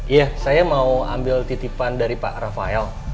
iya saya mau ambil titipan dari pak rafael